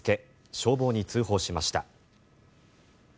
消防に通報しました。